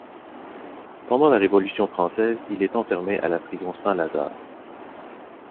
Pendant la Révolution française, il est enfermé à la prison Saint-Lazare.